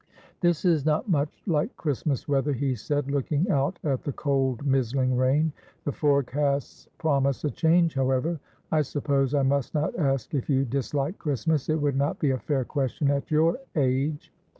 "This is not much like Christmas weather," he said, looking out at the cold mizzling rain; "the forecasts promise a change, however. I suppose I must not ask if you dislike Christmas, it would not be a fair question at your age."